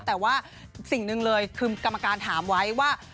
แต่ว่าสิ่งหนึ่งเลยคือกรรมการถามไว้ว่า